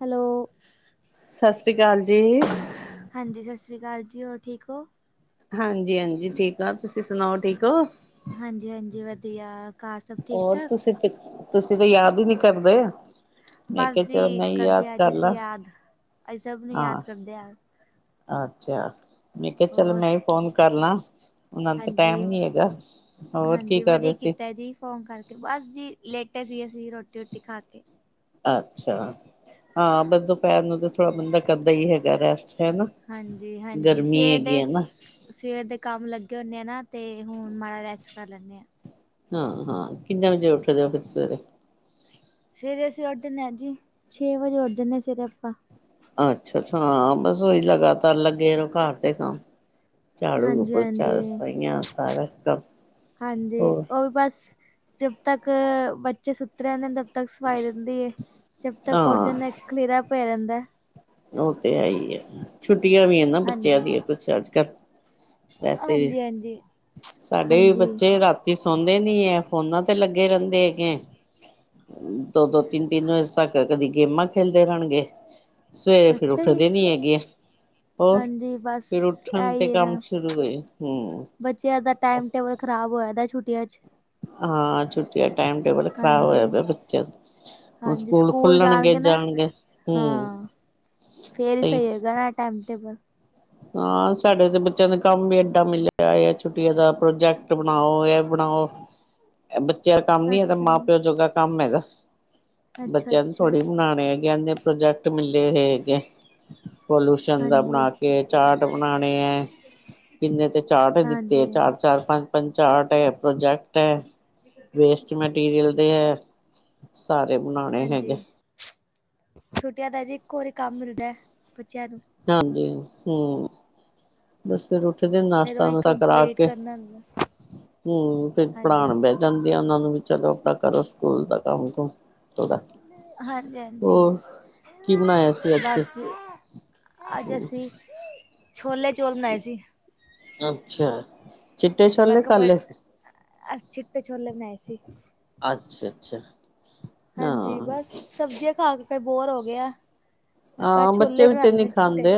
Hello, ਸਤਿ ਸ੍ਰੀ ਅਕਾਲ ਜੀ, ਹਾਂਜੀ, ਸਤਿ ਸ਼੍ਰੀ ਅਕਾਲ ਜੀ ਹੋਰ ਠੀਕ ਹੋ। ਹਾਂਜੀ ਹਾਂਜੀ, ਠੀਕ ਆ ਤੁਸੀਂ ਸੁਣਾਓ ਠੀਕ ਹੋ। ਹਾਂਜੀ ਹਾਂਜੀ, ਵਧੀਆ ਕਾਰ ਸਭ? ਠੀਕ ਹੋਰ, ਠਾਕ? ਤੁਸੀਂ- ਤੁਸੀਂ ਤੇ ਯਾਦ ਹੀ ਨਹੀਂ ਕਰਦੇ। ਮੈਂ ਬਸ ਕਿਹਾ ਜੀ ਚਲ ਮੈਂ ਹੀ ਕਰਦੇ ਯਾਦ ਆ ਕਰ ਅਸੀੇ ਲਾਂ। ਯਾਦ, ਅਸੀ ਸਭ ਨੂੰ ਹਾਂ, ਯਾਦ ਕਰਦੇ ਆ। ਅੱਛਾ, ਮੈਂ ਕਿਹਾ ਚੱਲ ਮੈਂ ਹੀ ਫੋਨ ਕਰ ਲਾਂ। ਉਹਨਾਂ ਨੂੰ ਤਾਂ ਟਾਈਮ ਨੀ ਹੈਗਾ, ਹੋਰ ਕੀ ਹਾਂਜੀ-ਹਾਂਜੀ ਕਰ ਰਹੇ ਵਧੀਆ ਸੀ? ਕੀਤਾ ਜੀ ਫੋਨ ਕਰਕੇ। ਬਸ ਜੀ ਲੇਟੇ ਸੀ ਅਸੀਂ, ਰੋਟੀ-ਰੋਟੀ ਖਾ ਕੇ। ਅੱਛਾ, ਹਾਂ ਬਸ ਦੁਪਹਿਰ ਨੂੰ ਤਾਂ ਥੋੜ੍ਹਾ ਬੰਦਾ? ਕਰਦਾ ਹੀ ਹੈਗਾ ਰੈਸਟ ਹੈਨਾ! ਹਾਂਜੀ, ਹਾਂਜੀ ਗਰਮੀ ਸਵੇਰ ਹੈਗੀ ਦੇ ਹੈ ਨਾ? ਸਵੇਰ ਦੇ ਕੰਮ ਲੱਗੇ ਹੁੰਦੇ ਆ ਨਾ, ਤੇ ਹੁਣ ਮਾੜਾ ਰੈਸਟ ਕਰ ਲੈਂਦੇ ਹਾਂ। ਹਾਂ ਹਾਂ, ਕਿੰਨੇ ਵਜੇ ਉੱਠ ਦੇ ਹੋ ਫਿਰ ਸਵੇਰੇ? ਸਵੇਰੇ ਅਸੀਂ ਉੱਠ ਜਾਂਦੇ ਹਾਂ ਜੀ, ਛੇ ਵਜੇ ਉੱਠ ਜਾਂਦੇ ਹਾਂ ਸਵੇਰੇ ਆਪਾਂ। ਅੱਛਾ- ਅੱਛਾ ਹਾਂ ਬਸ ਉਹੀ, ਲਗਾਤਾਰ ਲੱਗੇ ਰਹੋ ਘਰ ਦੇ ਕੰਮ? ਝਾੜੂ, ਹਾਂਜੀ, ਪੋਚਾ, ਹਾਂਜੀ ਸਫ਼ਾਈਆਂ, ਸਾਰਾ ਕੰਮ ਹੋਰ। ਬਸ ਜਬ ਤੱਕ ਬੱਚੇ ਸੁਤਤੇ! ਤਦੇ ਦਬ ਤੱਕ ਸਫਾਈ ਰਹਿੰਦੀ ਹੈ ਜਦ ਤੱਕ ਹਾਂ ਜਦਾ ਖਲੀਰਾ ਪੈ ਰਹਿੰਦਾ। [inaudible] ਉਹ ਤੇ ਹੈ ਹੀ ਹੈ! ਛੁੱਟੀਆਂ ਵੀ ਹੈ ਨਾ ਬੱਚਿਆਂ ਹਾਂਜੀ, ਦੀਆਂ ਕੁਛ ਅੱਜਕੱਲ। ਵੈਸੇ ਵੀ, ਹਾਂਜੀ, ਹਾਂਜੀ। ਸਾਡੇ ਵੀ ਹਾਂਜੀ, ਬੱਚੇ ਰਾਤੀ? ਬੱਚੇ ਸੌਦੇ ਨੀ ਹੈ, ਫੋਨਾਂ ਤੇ ਲੱਗੇ ਰਹਿੰਦੇ ਹੈਗੇ। ਦੋ, ਦੋ ਤਿੰਨ, ਤਿੰਨ ਵਜੇ ਤੱਕ? ਕਦੀ ਗੇਮਾਂ ਖੇਲਦੇ ਰਹਿਣਗੇ। ਸਵੇਰੇ ਫਿਰ ਅੱਛਾ ਜੀ। ਉੱਠਦੇ ਨੀ ਹੈਗੇ। ਹੋਰ ਹਾਂਜੀ, ਬਸ ਫਿਰ ਉਠਣ ਤੇ ਐਈ ਏ ਕੰਮ ਨਾ। ਸ਼ੁਰੂ ਹੋਏ ਹੂੰ। ਬੱਚਿਆਂ ਦਾ ਟਾਈਮ- ਟੇਬਲ ਖਰਾਬ ਹੋਆ, ਇਹਦਾ ਛੁੱਟੀਆਂ 'ਚ? ਹਾਂ ਛੁੱਟੀਆਂ ਟਾਈਮ ਟੇਬਲ, ਖ਼ਰਾਬ ਹਾਂਜੀ, ਹੋਇਆ ਪਿਆ ਬੱਚੇ ਦਾ? ਹਾਂਜੀ ਸਕੂਲ ਜਾਣਗੇ ਨਾ ਹਮ ਹਾਂ ਫੇਰ ਹੀ ਤੇ ਸਹੀ ਹੋਏਗਾ ਨਾ ਟਾਈਮ ਟੇਬਲ ਹਾਂ ਸਾਡੇ ਤੇ ਬੱਚਿਆਂ ਦਾ ਕੰਮ ਵੀ ਏਡਾ ਮਿਲਿਆ ਹੈ ਛੁੱਟੀਆਂ ਦਾ ਪ੍ਰੋਜੈਕਟ ਬਣਾਓ ਇਹ ਬਣਾਓ। ਇਹ ਬੱਚਿਆਂ ਦਾ ਕੰਮ ਨੀ ਹੈਗਾ ਅੱਛਾ, ਮਾਂ ਪਿਓ ਜੋਗਾ ਕੰਮ ਹੈਗਾ। ਅੱਛਾ, ਬੱਚਿਆਂ ਨੂੰ ਅੱਛਾ। ਥੋੜੀ ਬਣਾਉਣੇ ਆ ਕਹਿੰਦੇ ਪ੍ਰੋਜੈਕਟ ਮਿਲੇ ਰਹੇ ਹੈਗੇ, ਪੋਲੂਸ਼ਨ ਦਾ ਹਾਂਜੀ, ਬਣਾ ਕੇ? ਕੇ ਚਾਰਟ ਬਣਾਣੇ ਹੈ! ਕਿੰਨੇ ਤੇ ਚਾਰਟ ਦਿੱਤੇ ਹਾਂਜੀ, ਚਾਰਟ ਚਾਰ ਪੰਜ- ਪੰਜ ਚਾਰਟ ਹੈ, ਪ੍ਰੋਜੈਕਟ ਹੈ, ਵੇਸਟ ਮੈਟੀਰੀਅਲ ਦੇ ਹੈ। ਸਾਰੇ ਬਣਾਉਣੇ ਹੈਗੇ। ਛੂਟੀਆਂ ਦਾ ਜੀ ਇੱਕੋ ਵਾਰੀ, ਕੰਮ ਮਿਲਦਾ ਹੈ, ਬੱਚਿਆਂ ਨੂੰ,। ਹਾਂਜੀ ਹੂੰ। ਬਸ ਫਿਰ ਉੱਠਦੇ ਫੇਰ ਨਾਸ਼ਤਾ, ਉਹੀ ਨੂਸ਼ਤਾ ਕਰਾ ਕੰਪਲੀਟ ਕੇ ਕਰਨਾ ਹੁੰਦਾ ਹੂ ਫਿਰ ਹਾਂਜੀ ਪੜ੍ਹਾਉਣ ਬੈ ਜਾਂਦੇ। ਜਾਂਦੇ ਆ ਉਹਨਾਂ ਨੂੰ ਵੀ, ਚਲੋ ਆਪਣਾ ਕਰੋ। ਸਕੂਲ ਦਾ ਕੰਮ, ਕੁਮ ਥੋੜਾ ਹਾਂਜੀ ਹਾਂਜੀ ਹੋਰ? ਕੀ ਬਣਾਇਆ ਸੀ ਅੱਜ ਫਿਰ? ਬਸ ਅੱਜ ਅਸੀਂ ਛੋਲੇ ਚੌਲ ਬਣਾਏ ਸੀ। ਅੱਛਾ ਚਿੱਟੇ ਮੈਂ ਛੋਲੇ ਕਿਹਾ ਬੜ ਕਾਲੇ ਅੱਜ ਚਿੱਟੇ ਛੋਲੇ ਬਣਾਏ ਸੀ। ਅੱਛਾ- ਅੱਛਾ ਹਾਂਜੀ ਹਾਂ ਬਸ ਸਬਜ਼ੀਆਂ ਖਾ ਕੇ ਬੋਰ ਹੋ ਗਏ ਆਂ। ਮੈਂ ਕਿਹਾ ਹਾਂ ਬੱਚੇ ਛੋਲੇ ਬਣਾ ਬੁੱਚੇ ਨਹੀਂ ਲੈਣੇ ਚਿੱਟੇ ਖਾਂਦੇ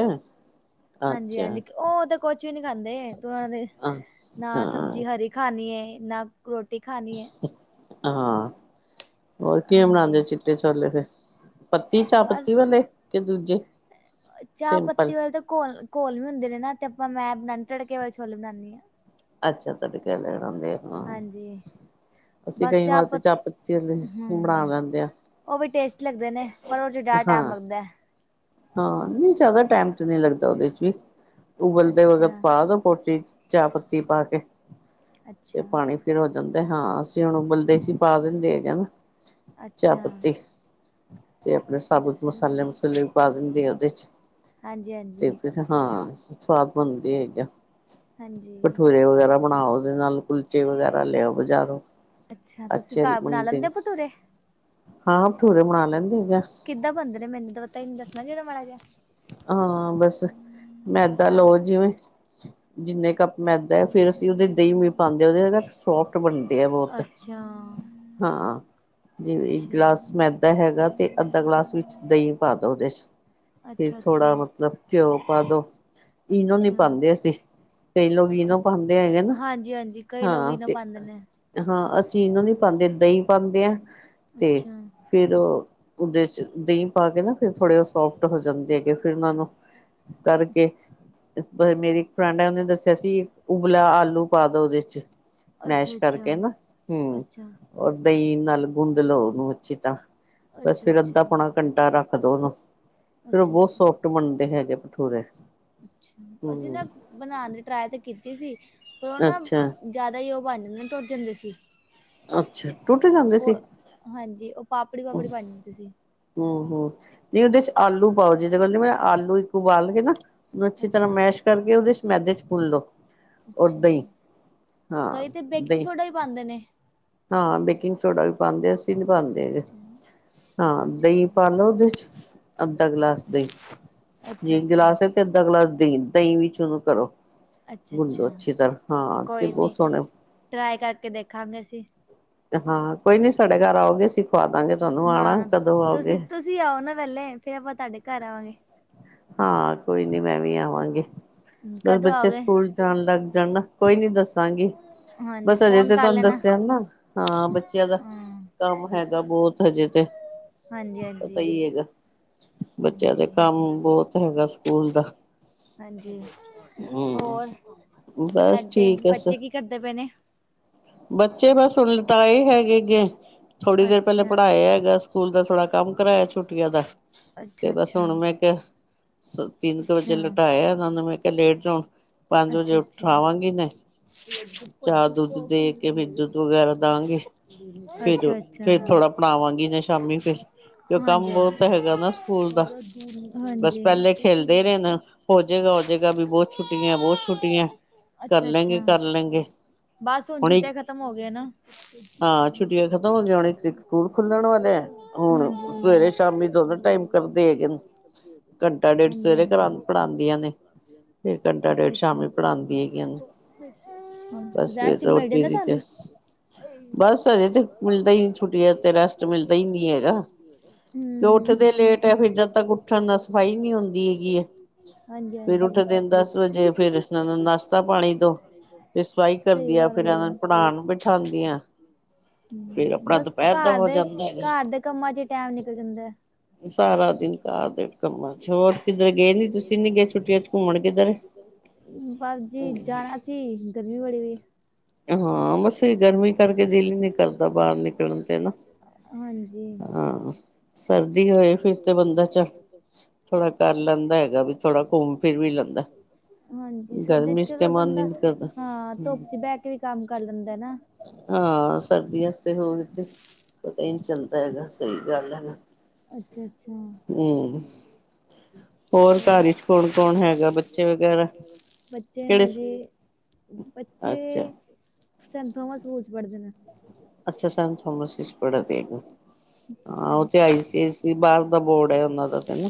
ਹਾਂਜੀ- ਅੱਛਾ ਹਾਂਜੀ ਉਹ ਤਾਂ ਕੁਛ ਵੀ ਨਹੀਂ ਖਾਂਦੇ ਉਨਾਂ ਦੇ ਹਾਂ ਨਾ ਹਾਂ ਸਬਜ਼ੀ ਹਰੀ ਖਾਣੀ ਨਾ ਰੋਟੀ ਖਾ ਹਾਂ ਹੋਰ ਕਿਵੇ ਬਣਾਉਦੇ ਹਾਂਜੀ ਚਿੱਟੇ ਛੋਲੇ ਫਿਰ ਪੱਤੀ ਚਾਹ ਬਸ ਪੱਤੀ ਵਾਲੇ ਕਿ ਦੂਜੇ ਚਾਹ ਸਿੰਪਲ ਪੱਤੀ ਵਾਲੇ ਤੇ ਘੋਲ ਘੋਲ ਵੀ ਹੁੰਦੇ ਨੇ ਨਾ ਤੇ ਆਪਾਂ ਮੈਂ ਬ ਤੜਕੇ ਵਾਲੇ ਛੋਲੇ ਬਣਾਉਂਦੀ ਹਾਂ। ਅੱਛਾ ਤੁਹਾਡੇ ਕਹਿ ਲੈਣ ਹੁੰਦੇ ਆ। ਹਾਂ ਹਾਂਜੀ ਅਸੀਂ ਬਸ ਕਈ ਵਾਰ ਪ ਤੇ ਚਾਹ ਪੱਤੀ ਬਣਾ ਹਮ ਲੈਂਦੇ ਆ। ਉਹ ਵੀ ਟੇਸਟ ਲੱਗਦੇ ਨੇ ਪਰ ਉਹ 'ਚ ਡਿਆ ਟਾਈਮ ਹਾਂ ਲੱਗਦਾ। ਹਾਂ ਨਹੀਂ ਜ਼ਿਆਦਾ ਟਾਈਮ ਤੇ ਨਹੀਂ ਲੱਗਦਾ ਉਹਦੇ 'ਚ ਵੀ ਉਬਲਦੇ ਵਕਤ ਅੱਛਾ ਪਾ ਦੋ ਪੋਟਲੀ ਚਾਹ ਪੱਤੀ ਪਾ ਕੇ ਤੇ ਅੱਛਾ ਪਾਣੀ ਫਿਰ ਹੋ ਜਾਂਦੇ ਹਾਂ ਅਸੀਂ ਹੁਣ ਉਬਲਦੇ ਸੀ ਪਾ ਦੇ ਦੇ ਹੈਗਾ ਨਾ। ਚਾਹ ਅੱਛਾ ਪੱਤੀ ਤੇ ਆਪਣੇ ਸਾਬੂਤ ਅੱਛਾ ਮਸਾਲੇ ਮਸੁਲੇ ਪਾ ਦਿੰਦੇ ਉਹਦੇ 'ਚ ਹਾਂਜੀ ਤੇ ਹਾਂਜੀ ਫਿਰ ਹਾਂ ਸਵਾਦ ਬਣਦੇ ਹੈਗੇ ਆ। ਹਾਂਜੀ ਭਠੂਰੇ ਵਗੈਰਾ ਬਣਾਓ ਉਹਦੇ ਨਾਲ ਕੁਲਚੇ ਵਗੈਰਾ ਲਿਆਓ ਬਜ਼ਾਰੋਂ ਅੱਛਾ ਤੁਸੀਂ ਅੱਛੇ ਘਰ ਬਣਾ ਬਣਦੇ ਲੈਂਦੇ ਭਟੂਰੇ ਹਾਂ ਭਠੂਰੇ ਬਣਾ ਲੈਂਦੇ ਹੈਗੇ। ਕਿੱਦਾਂ ਬੰਦੇ ਨੇ ਮੈਨੂੰ ਤਾਂ ਪਤਾਨੂੰ ਦੱਸਣਾ ਜ ਉਹੜ ਮਾੜਾ ਜਿਹਾ ਹਾਂ ਬਸ ਮੈਦਾ ਲਓ ਜਿਵੇਂ ਜਿੰਨੇ ਕੱਪ ਮੈਦਾ ਹੈ ਫੇਰ ਅਸੀਂ ਉਹਦੇ ਦਹੀਂ ਵੀ ਪਾਉਂਦੇ ਉਹਦੇ ਸੋਫਟ ਬਣਦੇ। ਬਹੁਤ ਅੱਛਾ ਹਾਂ ਜਿਵੇਂ ਅੱਛਾ ਗਲਾਸ ਮੈਦਾ ਹੈਗਾ ਤੇ ਅੱਧਾ ਗਲਾਸ ਵਿੱਚ ਦਹੀਂ ਪਾ ਦਉ ਉਹਦੇ 'ਚ ਫਿਰ ਅੱਛਾ ਥੋੜ੍ਹਾ ਅੱਛਾ ਮਤਲਬ ਘਿਓ ਪਾ ਦੋ ਇਨੋ ਨੀ ਅੱਛਾ ਪਾਉਂਦੇ ਅਸੀਂ ਕਈ ਲੋਕ ਇਨੋ ਪਾਉਣ ਦੇ ਹੈ ਹਾਂਜੀ ਹਾਂਜੀ ਕਈ ਲੋਕ ਹਾਂ ਇਨਾ ਤੇ ਪਾਉਂਦੇ ਨੇ ਹਾਂ ਅਸੀਂ ਇਹਨਾਂ ਨਹੀਂ ਪਾਉਂਦੇ ਦਹੀਂ ਪਾਉਂਦੇ ਹਾਂ ਤੇ ਅੱਛਾ ਫਿਰ ਫਿਰ ਉਹ ਉਹਦੇ 'ਚ ਦਹੀਂ ਪਾ ਕੇ ਨਾ ਫਿਰ ਥੋੜੇ ਉਹ ਸੋਫਟ ਹੋ ਜਾਂਦੇ ਹੈਗੇ ਫਿਰ ਉਹਨਾਂ ਨੂੰ ਕਰਕੇ ਮੇਰੀ ਇੱਕ ਫਰੈਂਡ ਹੈ ਉਹਨੇ ਦੱਸਿਆ ਸੀ ਉਬਲਾ ਆਲੂ ਪਾ ਦੋ ਉਹਦੇ 'ਚ ਅੱਛਾ, ਮੈਸ਼ ਕਰਕੇ ਅੱਛਾ। ਨਾ ਅੱਛਾ, ਹੂੰ। ਅੱਛਾ, ਔਰ ਦਹੀਂ ਨਾਲ ਗੁੰਦ ਲਾਉਣ ਨੂੰ ਅੱਛੀ ਤਰਾਂ ਬਸ ਅੱਛਾ, ਫਿਰ ਅੱਧਾ ਪੌਣਾ ਘੰਟਾ ਰੱਖ ਦੋਨੋ, ਅੱਛਾ, ਅੱਛਾ, ਭਠੂਰੇ ਅੱਛਾ, ਅਸੀਂ ਹੂੰ ਨਾ ਬਣਾ ਦੇ। ਟਰਾਏ ਤੇ ਕੀਤੀ ਸੀ, ਫਿਰ ਉਹ ਨਾ ਅੱਛਾ ਜ਼ਿਆਦਾ ਹੀ ਉਹ ਬਣ ਜਾਂਦੇ ਟੁੱਟ ਜਾਂਦੇ ਸੀ। ਅੱਛਾ ਟੁੱਟ ਜਾਂਦੇ ਫੋ ਸੀ। ਹਾਂਜੀ ਉਹ ਪਾਪੜੀ- ਪਾਪੜੀ ਬਣ ਜਾਂਦੀ ਸੀ। ਹੂੰ -ਹੂੰ ਨਹੀਂ ਉਹਦੇ 'ਚ ਆਲੂ ਪਾਓ ਜਿਦੋਂ ਮੈਂ ਆਲੂ ਇੱਕ ਉਬਾਲ ਕੇ ਨਾ ਉਹਨੂੰ ਅੱਛੀ ਤਰ੍ਹਾਂ ਅੱਛਾ, ਮੈਸ਼ ਕਰਕੇ ਉਹਦੇ ਮੈਦੇ 'ਚ ਗੁੰਨਲੋ। ਅੱਛਾ ਕਈ ਤਾਂ ਬੇਕਿੰਗ ਦਹੀਂ ਸੋਡਾ ਵੀ ਪਾਉਂਦੇ ਨੇ। ਹਾਂ ਬੇਕਿੰਗ ਸੋਡਾ ਪਾਂਦੇ ਅਸੀਂ ਨੀ ਪਾਂਦੇ ਅੱਛਾ, ਹੈਗੇ ਅੱਛਾ, ਹਾਂ ਦਹੀਂ ਅੱਛਾ। ਪਾ ਲੋ ਉਹਦੇ 'ਚ ਅੱਧਾ ਗਲਾਸ ਦਹੀ ਅੱਛਾ ਅੱਛਾ, ਗਲਾਸ ਤੇ ਅੱਧਾ ਗਲਾਸ ਦਹੀਂ -ਦਹੀਂ ਵਿਚ ਉਹਨੂੰ ਕਰੋ। ਅੱਛਾ, ਗੁੰਨੋ ਅੱਛਾ। ਅੱਛੀ ਤਰ੍ਹਾਂ ਹਾਂ ਤੇ ਕੋਈ ਬਹੁਤ ਨੀ ਸੋਹਣੇ ਟਰਾਈ ਕਰਕੇ ਦੇਖਾਂਗੇ ਅਸੀਂ, ਸਾਡੇ ਘਰ ਆਉਗੇ, ਅਸੀਂ ਪਾ ਦਾਂਗੇ ਤੁਹਾਨੂੰ ਆਣਾ ਹਾਂ, ਕਦੋਂ ਆਓ ਗੇ। ਤੁਸੀਂ, ਤੁਸੀਂ ਆਓ, ਨਾ ਪਹਿਲੇ ਫੇਰ ਆਪਾਂ ਤੁਹਾਡੇ ਘਰ ਆਵਾਂਗੇ। ਹਾਂ ਕੋਈ ਨੀ ਮੈਂ ਵੀ ਆਵਾਂਗੀ, ਹਮ, ਬਸ ਕਦੋਂ ਬੱਚੇ ਆਓਗੇ? ਸਕੂਲ ਜਾਣ ਲੱਗ ਜਾਣ ਕੋਈ ਨੀ ਦੱਸ। ਦੱਸਾਂਗੇ ਹਾਂਜੀ ਬਸ ਅਜੇ ਫੋਨ ਤੇ ਕਰ ਤੁਹਾਨੂੰ ਲੈਣਾ ਦੱਸਿਆ ਨਾ ਹਾਂ ਬੱਚਿਆਂ ਦਾ, ਹਾਂ ਕੰਮ ਹੈਗਾ ਬਹੁਤ ਹਜੇ ਤੇ, ਹਾਂਜੀ ਪਤਾ ਹਾਂਜੀ ਹੀ ਹੈਗਾ, ਬੱਚਿਆਂ ਦੇ ਹਾਂਜੀ ਕੰਮ ਬਹੁਤ ਹੈਗਾ ਸਕੂਲ ਦਾ, ਹਾਂਜੀ ਹੂੰ ਹੋਰ, ਬਸ ਤੁਹਾਡੇ ਠੀਕ ਹੈ ਸਰ ਬੱਚੇ ਕੀ ਕਰਦੇ ਪਏ ਨੇ? ਬੱਚੇ ਬਸ ਲਿਟਾਏ ਹੈਗੇ। ਥੋੜ੍ਹੀ ਦੇਰ ਪਹਿਲੇ ਅੱਛਾ ਪੜ੍ਹਾਇਆ ਹੈਗਾ, ਸਕੂਲ ਦਾ ਥੋੜ੍ਹਾ ਕੰਮ ਕਰਾਇਆ ਛੁੱਟੀਆਂ ਦਾ। ਅੱਛਾ ਤੇ ਬਸ ਅੱਛਾ ਹੁਣ ਮੈਂ ਕਿਹਾ, ਤਿੰਨ ਵਜੇ ਅੱਛਾ ਲਟਾਇਆ, ਇਹਨਾਂ ਨੂੰ ਮੈਂ ਕਿਹਾ ਲੇਟ ਜਾਣ ਪੰਜ ਵਜੇ ਅੱਛਾ ਅੱਛਾ ਉਠਾਵਾਂਗੀ ਨੇ। ਚਾਹ ਦੁੱਧ ਦੇ ਕੇ ਫਿਰ ਦੁੱਧ ਵਗੈਰਾ ਦਵਾਂਗੇ। ਅੱਛਾ, ਅੱਛਾ। ਪੜਾਵਾਂਗੀ, ਨਾ ਸ਼ਾਮੀ ਫਿਰ ਕਿ ਕੰਮ ਹਾਂਜੀ ਬਹੁਤ ਹੈਗਾ ਨਾ ਸਕੂਲ ਦਾ। ਹਾਂਜੀ ਹਾਂਜੀ, ਬਸ ਪਹਿਲੇ ਖੇਲਦੇ ਰਹੇ ਨੇ, ਹੋਜਏਗਾ ਹੋਜਏਗਾ, ਵੀ ਬਹੁਤ ਛੁੱਟੀਆਂ ਬਹੁਤ ਛੁੱਟੀਆਂ ਕਰ ਅੱਛਾ ਲੈਂਗੇ ਅੱਛਾ ਕਰ ਲੈਂਗੇ। ਬਸ ਹੁਣ ਛੁਟੀਆ ਖਤਮ ਹੋ ਗਏ ਨਾ, ਹਾਂ ਛੁੱਟੀਆਂ ਖਤਮ ਹੋ ਗਈਆਂ ਹੁਣ ਇੱਕ ਸਕੂਲ ਖੁੱਲਣ ਵਾਲੇ ਐ ਹੁਣ ਹਾਂਜੀ, ਸਵੇਰੇ ਸ਼ਾਮੀ ਦੋਨੋ ਟਾਈਮ ਹਾਂਜੀ, ਕਰਦੇ ਹੈਗੇ ਨੇ ਘੰਟਾ ਡੇਢ ਹਾਂਜੀ, ਸਵੇਰੇ ਕਰਾ ਹਾਂਜੀ ਪੜ੍ਹਾਦੀਆਂ ਨੇ ਫਿਰ ਘੰਟਾ ਡੇਢ ਅੱਛਾ-ਅੱਛਾ। ਸ਼ਾਮੀ ਪੜ੍ਹਾਦੀ ਹੈਗੀਆਂ ਨੇ ਬਸ ਫਿਰ ਰੈਸਟ ਮਿਲ ਰੋਟੀ ਜਾਂਦਾ ਦੀ ਤੇ ਤੁਹਾਨੂੰ, ਬਸ ਹਜੇ ਤੇ ਮਿਲਦਾ ਹੀ ਛੁੱਟੀਆਂ ਤੇ ਰੈਸਟ ਮਿਲਦਾ ਹੀ ਨਹੀਂ ਹੈਗਾ [unintelligible] ਤੇ ਉੱਠਦੇ ਲੇਟ ਆ ਫਿਰ ਜਦ ਤੱਕ ਉੱਠਣ ਦਸ, ਫਿਰ ਹਾਂਜੀ-ਹਾਂਜੀ। ਉੱਠਦੇ ਨੇ ਦਸ ਵਜੇ ਫਿਰ ਇਹਨਾਂ ਨੂੰ ਨਾਸ਼ਤਾ ਪਾਣੀ ਦੋ ਫਿਰ ਸਫਾਈ ਸਹੀ ਕਰਦੀ ਆ ਗੱਲ ਫਿਰ ਹੈ ਇਹਨਾਂ ਨੂੰ ਜੀ, ਪੜ੍ਹਾਉਣ ਬਿਠਾਉਂਦੀ ਆ ਫਿਰ ਆਪਣਾ ਬਸ ਦੁਪਹਿਰ ਦਾ ਘਰ ਹੋ ਦੇ ਜਾਂਦਾ ਹੈਗਾ ਘਰ ਦੇ ਕੰਮਾਂ ਚ ਹੀ ਟੈਮ ਟਾਈਮ ਨਿਕਲ ਜਾਂਦਾ। ਸਾਰਾ ਦਿਨ ਘਰ ਦੇ ਕੰਮ, ਛੁੱਟੀਆਂ ਚ ਘੁੰਮਣ ਕਿੱਧਰ ਬਸ ਜੀ ਜਾਣਾ, ਗਰਮੀ ਬੜੀ ਹੋਈ, ਹਾਂ ਬਸ ਗਰਮੀ ਕਰਕੇ ਦਿਲ ਹੀ, ਨੀ ਕਰਦਾ ਬਾਹਰ ਨਿਕਲਣ ਤੇ ਨਾ, ਹਾਂਜੀ [unintelligible] ਹਾਂ ਸਰਦੀ ਹੋਏ ਫਿਰ ਤੇ ਬੰਦਾ ਚੱਲ ਥੋੜਾ ਕਰ ਲੈਂਦਾ ਹੈਗਾ ਵੀ ਥੋੜਾ ਘੁੰਮ ਫਿਰ ਵੀ ਲੈਂਦਾ ਹਾਂਜੀ ਸਰਦੇ ਗਰਮੀ ਚ ਤੇ ਮਨ ਹੀ ਬੰਦਾ, ਨੀ ਕਰਦਾ ਹਾਂ, ਧੁੱਪ ਚ ਬਹਿ ਕੇ ਵੀ ਕੰਮ ਕਰ ਲੈਂਦਾ ਨਾ, ਹਾਂ ਸਰਦੀ ਵਸਤੇ ਹੋਰ ਇੱਥੇ ਪਤਾ ਹੀ ਨਹੀਂ ਚੱਲਦਾ। ਹੈਗਾ ਸਹੀ ਗੱਲ ਹੈਗਾ ਅੱਛਾ, ਅੱਛਾ, ਹਮ ਹੋਰ ਘਰ ਵਿਚ ਕੌਣ ਕੌਣ ਹੈਗਾ ਬੱਚੇ ਵਗੈਰਾ ਬੱਚੇ ਕਿਹੜੇ ਨੇ ਜੀ, ਬੱਚੇ ਅੱਛਾ [unintelligible] ਪੜ੍ਹਦੇ ਨੇ ਅੱਛਾ ਸੈਂ ਥੋਮਸਿਸ ਪੜਾ ਤੇ ਹੈਗਾ ਹਾਂਜੀ ਉੱਥੇ ਆਈ, ਬਾਹਰ ਦਾ ਬੋਰਡ ਹੈ ਉਹਨਾਂ ਦਾ ਤੇ ਨਾ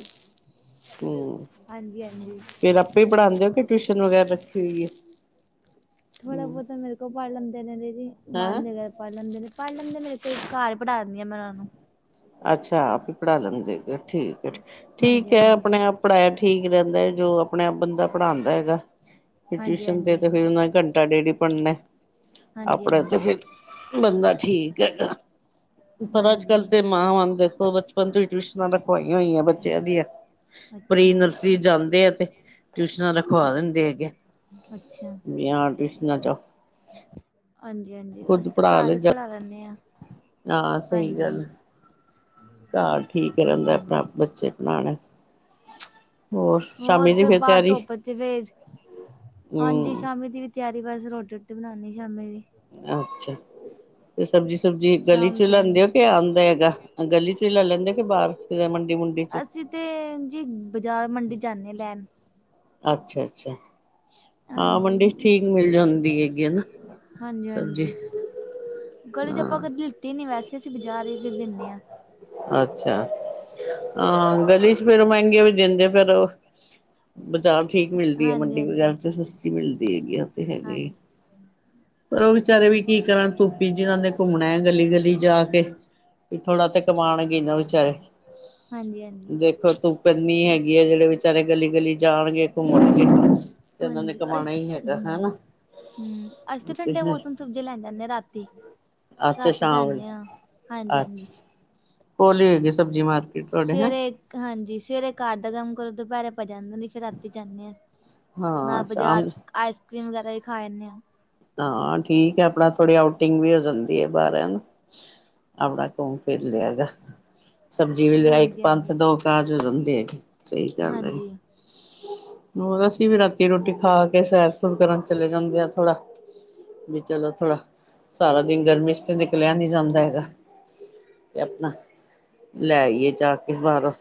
ਹੂੰ, ਹਾਂਜੀ-ਹਾਂਜੀ। ਫੇਰ ਆਪੇ ਹੀ ਪੜ੍ਹਾਂਦੇ ਹੋ ਕਿ ਟਿਊਸ਼ਨ ਵਗੈਰਾ ਰੱਖੀ ਹੋਈ ਹੈ? ਥੋੜਾ ਹੂੰ ਬਹੁਤ ਪੜ੍ਹ ਲੈਂਦੇ ਨੇ ਦੀਦੀ ਹੈਂ ਮਨ ਮਗਾ ਪੜ੍ਹ ਲੈਂਦੇ ਨੇ ਪੜ੍ਹ ਲੈਂਦੇ, ਮੇਰੇ ਤੇ ਘਰ ਪੜਾ ਦਿੰਦੀ ਆ ਮੈਂ ਉਹ ਨੂੰ ਅੱਛਾ ਆਪ ਹੀ ਪੜ੍ਹਾ ਲੈਂਦੇ ਠੀਕ ਹੈ ਹਾਂਜੀ ਠੀਕ ਹੈ, ਹਾਂਜੀ ਆਪਣੇ ਆਪ ਪੜ੍ਹਾਇਆ ਠੀਕ ਰਹਿੰਦਾ ਜੋ ਆਪਣੇ ਆਪ ਬੰਦਾ ਪੜ੍ਹਾਉਂਦਾ ਹੈਗਾ, ਹਾਂਜੀ ਟਿਊਸ਼ਨ ਤੇ ਹਾਂਜੀ ਤੇ ਫਿਰ ਉਹਨਾ ਘੰਟ ਡੇਡੀ ਨੇਪੜਨਾ ਨੇ ਹਾਂਜੀ ਆਪਣਾ ਤੇ ਹਾਂਜੀ ਫਿਰ ਬੰਦਾ ਠੀਕ ਹੈਗਾ। ਪਰ ਅੱਜ-ਕੱਲ੍ਹ ਹਾਂਜੀ ਤੇ ਮਾਂਵਾਂ ਦੇਖੋ ਬਚਪਨ ਤੋਂ ਹੀ ਟਿਊਸ਼ਨਾਂ ਰਖਵਾਈਆਂ ਹੋਈਆਂ ਬੱਚਿਆਂ ਦੀਆਂ। ਪ੍ਰੀ ਅੱਛਾ ਨਰਸਰੀ ਜਾਂਦੇ ਆ, ਤੇ ਟਿਊਸ਼ਨਾਂ ਰਖਵਾ ਦਿੰਦੇ ਹੈਗੇ। ਅੱਛਾ [unintelligible] ਹਾਂਜੀ, ਹਾਂਜੀ ਖੁਦ ਅਸੀਂ ਤਾਂ ਘਰ ਲੈ ਹੀ ਜਾ ਪੜ੍ਹਾ ਲੈਂਦੇ ਹਾਂ। ਹਾਂ ਸਹੀ ਹਾਂਜੀ ਗੱਲ ਐ, ਚਾਲ ਠੀਕ ਹਾਂਜੀ ਰਹਿੰਦਾ ਆਪਣਾ ਹਾਂਜੀ ਬੱਚੇ ਬਣਾਣਾ, ਹੋਰ ਫਿਰ ਬਾਹਰ ਤਿਆਰੀ ਧੂੱਪ ਤੇ ਫਿਰ, ਹਾਂਜੀ ਹਮ ਸ਼ਾਮੀ ਦੀ ਵੀ ਤਿਆਰੀ ਬਸ ਰੋਟੀ, ਰੋਟੀ ਬਣਾਉਾਨਣੀ ਸ਼ਾਮੀ ਦੀ। ਅੱਛਾ ਤੇ ਸਬਜ਼ੀ ਸੁਬਜੀ ਗਲੀ ਸ਼ਾਮ ਚ ਦੀ ਲਾਉਦੇ ਵੀ ਔ ਕੇ ਆਉਂਦਾ ਹੈਗਾ। ਗਲੀ ਚ ਵੀ ਲੈ ਲੈਂਦੇ ਕਿ ਬਾਹਰ ਫ ਮੰਡੀ ਮੁੰਡੀ ਚ, ਅਸੀਂ ਤੇ ਜੀ ਬਾਜ਼ਾਰ ਮੰਡੀ ਜਾਂਦੇ ਲੈਣ, ਅੱਛਾ, ਅੱਛਾ, ਹਾਂ ਹਾਂਜੀ ਮੰਡੀ ਠੀਕ ਮਿਲ ਜਾਂਦੀ ਹੈਗੀ, ਹਨਾ ਹਾਂਜੀ ਸਬਜ਼ੀ, ਹਾਂਜੀ ਗਲੀ ਚ ਆਪਾਂ ਹਾਂ ਕਦੇ ਲਿੱਤੀ ਨੀ ਵੈਸੇ ਅਸੀਂ ਬਜ਼ਾਰ ਲੈਂਦੇ ਹਾਂ। ਅੱਛਾ ਅਹ ਗਲੀ ਚ ਫੇਰ ਮਹਿੰਗੇ ਵੀ ਦਿੰਦੇ ਫਿਰ, ਬਾਜ਼ਾਰ ਠੀਕ ਮਿਲਦੀ ਹੈ, ਹਾਂਜੀ ਮੰਡੀ ਵਗੈਰਾ ਹਾਂਜੀ ਤੇ ਸਸਤੀ ਮਿਲਦੀ ਹੈਗੀ ਆ ਤੇ ਹੈਗੇ ਹੀ ਹਾਂਜੀ ਪਰ ਉਹ ਵਿਚਾਰੇ ਵੀ ਕੀ ਕਰਨ ਧੂਪੀ ਜਿਨਾਂ ਨੇ ਘੁੰਮਣਾ ਹੈ, ਗਲੀ ਗਲੀ ਜਾ ਕੇ ਵੀ ਥੋ ਨਾ ਤੇ ਕਮਾਉਣਗੇ ਨਾ ਵਿਚਾਰੇ ਹਾਂਜੀ ਹਾਂਜੀ ਦੇਖੋ ਤੂੰ, ਪੰਨੀ ਹੈਗੀ ਹੈ, ਜਿਹੜੇ ਵਿਚਾਰੇ ਗਲੀ ਗਲੀ ਜਾਣਗੇ। ਘ ਮੁੜ ਕੇ ਤੇ ਉਹਨਾਂ ਨੇ ਕਮਾਉਣਾ ਹੀ ਹੈਗਾ ਹਨਾ। ਹੂੰ, ਅਸੀਂ ਤਾਂ ਠੰਡੇ ਮੌਸਮ ਸਬਜ਼ੀਆਂ ਲੈਣ ਜਾਂਦੇ ਹਾਂ ਰਾਤੀ। ਅੱਛਾ ਰਾਤੀ ਸ਼ਾਮ ਵੇਲੇ ਜਾਂਦੇ ਹਾਂ, ਹਾਂਜੀ-ਹਾਂਜੀ। ਪੋਲੀ ਹੈਗੀ ਸਬਜ਼ੀ ਮਾਰ, ਸਵੇਰੇ ਹਾਂਜੀ ਸਵੇਰੇ ਕਾਰ ਦਾ ਕੰਮ ਕਰੋ ਦੁਪਹਿਰੇ ਪੈ ਜਾਂਦਾ। ਫਿਰ ਰਾਤੀ ਜਾਂਦੇ ਹਾਂ ਨਾ ਹਾਂ ਸ਼ਾਮ ਬਾਜ਼ਾਰ ਆਈਸ ਕ੍ਰੀਮ ਵਗੈਰਾ ਹੀ ਖਾ ਲਦੇ ਹਾਂ। ਹਾਂ ਠੀਕ ਹੈ ਆਪਣਾ ਥੋੜ੍ਹੀ ਆਊਟਿੰਗ ਵੀ ਹੋ ਜਾਂਦੀ ਹੈ, ਬਾਹਰ ਹਨਾ। ਆਪਣਾ ਘੁੰਮ ਫਿਰ ਲਿਆ। ਸਬਜ਼ੀ ਵੀ ਲਿਆ, ਇੱਕ ਹਾਂਜੀ ਪੰਥ ਹਾਂਜੀ ਦੋ ਕਾਜ ਹੋ ਜਾਂਦੇ ਆ ਸਹੀ ਗੱਲ ਐ। ਹਾਂਜੀ ਉਹ ਅਸੀਂ ਵੀ ਰਾਤੀ ਰੋਟੀ ਖਾ ਕੇ, ਸੈਰ ਸੁਰ ਕਰਨ ਚਲੇ ਜਾਂਦੇ ਆ ਥੋੜਾ। ਵੀ ਚਲੋ ਥੋੜਾ ਸਾਰਾ ਦਿਨ ਗਰਮੀ ਚ ਤੇ ਨਿਕਲਿਆ ਨੀ ਜਾਂਦਾ ਹੈਗਾ। ਤੇ ਆਪਣਾ ਲੈ ਆਏ ਜਾ ਕੇ ਬਾਹਰੋਂ,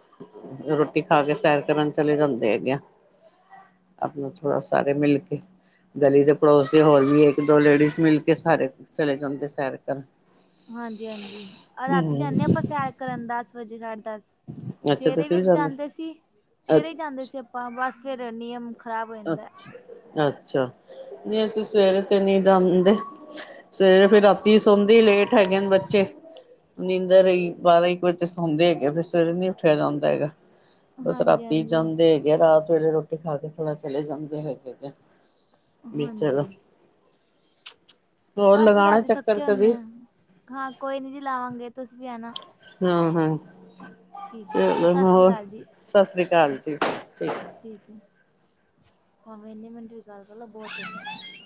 ਰੋਟੀ ਖਾ ਕੇ ਸੈਰ ਕਰਨ ਚਲੇ ਜਾਂਦੇ ਹੈਗੇ ਆ। ਆਪ ਨੂੰ ਥੋੜਾ ਸਾਰੇ ਮਿਲ ਕੇ, ਗਲੀ ਦੇ ਪੜੋਸ ਦੇ ਹੋਰ, ਦੋ ਲੇਡੀਜ਼ ਮਿਲ ਕੇ ਸਾਰੇ, ਚਲੇ ਜਾਂਦੇ ਸੈਰ ਕਰਨ ਹਾਂਜੀ, ਹਾਂਜੀ ਰਾਤੀ ਜਾਂਦੇ ਹਾਂ ਹਮ ਆਪਾਂ ਸੈਰ ਕਰਨ ਦਸ ਵਜੇ ਸਾਢੇ ਦਸ ਸਵੇਰੇ ਵੀ ਜਾਂਦੇ ਸੀ ਸਵੇਰੇ ਹੀ ਅੱਛਾ ਜਾਂਦੇ ਸੀ। ਆਪਾਂ ਬਸ ਫੇਰ ਨਿਯਮ ਖ਼ਰਾਬ ਹੋ ਅੱ ਜਾਂਦਾ ਅੱਛਾ ਨਹੀਂ, ਅਸੀਂ ਸਵੇਰੇ ਤੇ ਨਹੀਂ ਜਾਦੇ। ਸਵੇਰੇ ਫਿਰ ਰਾਤੀ ਸੌਣਦੀ ਲੇਟ ਹੈਗੇ ਨੇ ਬੱਚੇ। ਨੀਂਦਰ ਹੀ ਬਾਰਾਂ ਇੱਕ ਵਜੇ ਤੇ ਸੌਂਦੇ ਹੈਗੇ, ਫਿਰ ਸਵੇਰੇ ਨੀ ਉੱਠਿਆ ਜਾਂਦਾ ਹੈਗਾ। ਬਸ ਹਾਂਜੀ ਰਾਤੀ ਹਾਂਜੀ ਜਾਂਦੇ ਹੈਗੇ ਆ ਰਾਤ ਵੇਲੇ ਰੋਟੀ ਖਾ ਕੇ ਥੋੜ੍ਹਾ ਚਲੇ ਜਾਂਦੇ ਹੈਗੇ। ਹਾਂਜੀ ਬ ਹੋਰ ਬਸ ਫਿਰ ਲਗਾਉਣਾ ਰਾਤੀ ਚੱਕਰ ਥੱਕੇ ਹੁੰਦੇ ਕਦੀ ਹਾਂ ਹਾਂ ਕੋਈ ਨਹੀਂ ਜੀ ਲਾਵਾਂਗੇ ਤੁਸੀਂ ਵੀ ਹੈ ਆਨਾ। ਹਾਂ ਹੂੰ, ਹੈ ਚਲੋ ਸਤਿ ਸ਼੍ਰੀ ਹੋਰ ਅਕਾਲ ਜੀ ਸਤਿ ਸ੍ਰੀ ਅਕਾਲ ਜੀ, ਠੀਕ ਹੈ ਭਾਵੇਂ ਇੰਨੇ ਮਿੰਟ ਦੀ ਗੱਲ ਕਰਲੋ ਬਹੁਤ